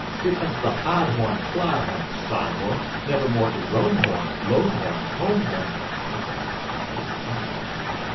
Here comes the hod horn, plod horn, sod horn, Nevermore to roam horn, loam horn, home horn. (Some of them from Kansas, some of them from Kansas.)